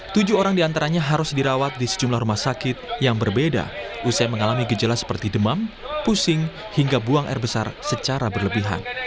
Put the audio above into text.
tujuh orang diantaranya harus dirawat di sejumlah rumah sakit yang berbeda usai mengalami gejala seperti demam pusing hingga buang air besar secara berlebihan